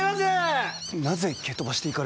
なぜ蹴飛ばしていかれたんじゃ。